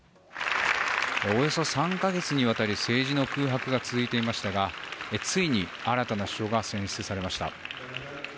およそ３か月にわたり政治の空白が続いていましたがついに新たな首相が選出されました。